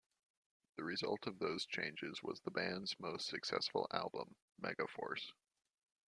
The result of those changes was the band's most successful album, "Mega Force".